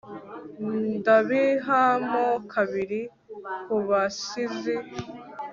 Ndabiha mo kabiri kubasizi